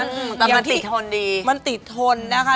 มันติดทนดีมันติดทนนะคะ